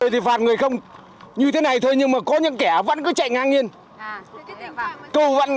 thì phạt người không như thế này thôi nhưng mà có những kẻ vẫn cứ chạy ngang nghiêng